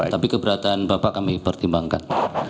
tapi keberatan bapak kami pertimbangkan